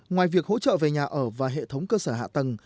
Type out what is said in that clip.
ngoài việc hỗ trợ về nhà ở và hệ thống cơ sở hạ tầng